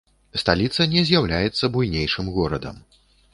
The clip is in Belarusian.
Сталіца не з'яўляецца буйнейшым горадам.